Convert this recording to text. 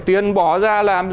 tiền bỏ ra làm